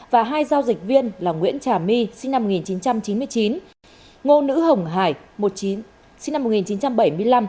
và hai giao dịch viên là nguyễn trà my sinh năm một nghìn chín trăm chín mươi chín ngô nữ hồng hải sinh năm một nghìn chín trăm bảy mươi năm